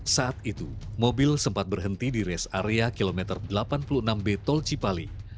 saat itu mobil sempat berhenti di res area kilometer delapan puluh enam b tol cipali